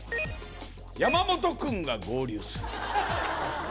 「山本君が合流する」